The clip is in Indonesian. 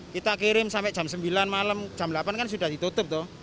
kita kirim sampai jam sembilan malam jam delapan kan sudah ditutup tuh